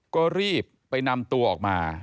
ก็รีบไปนำตัวออกมา